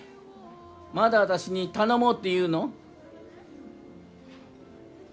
まだあたしに頼もうっていうの？